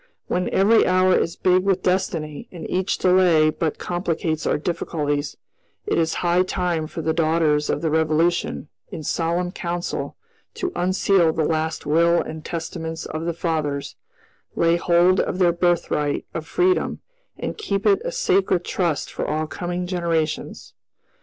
When every hour is big with destiny, and each delay but complicates our difficulties, it is high time for the daughters of the Revolution, in solemn council, to unseal the last will and testaments of the fathers, lay hold of their birthright of freedom, and keep it a sacred trust for all coming generations.